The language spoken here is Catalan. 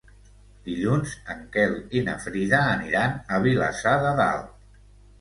Dilluns en Quel i na Frida aniran a Vilassar de Dalt.